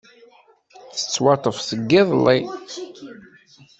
Tettwaṭṭef seg iḍelli.